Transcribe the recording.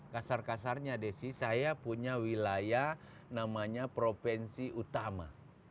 kasar kasarnya desi saya punya wilayah namanya provinsi utama